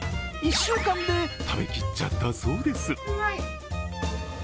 １週間で食べきっちゃったそうです